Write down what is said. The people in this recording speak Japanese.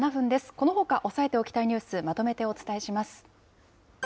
このほか押さえておきたいニュース、まとめてお伝えします。